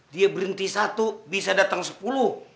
dia berhenti satu bisa datang sepuluh